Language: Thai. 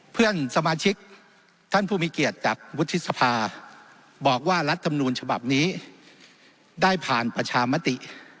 เพื่อนสมาชิกท่านผู้มีเกียรติจากวุฒิสภาบอกว่ารัฐมนูญฉบับนี้ได้ผ่านประชามติ